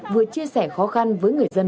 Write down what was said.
vừa chia sẻ khó khăn với người dân